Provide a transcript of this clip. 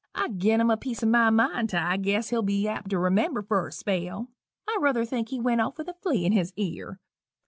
I gin him a piece o' my mind 't I guess he'll be apt to remember for a spell. I ruther think he went off with a flea in his ear.